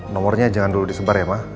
nomornya jangan dulu disebar ya mas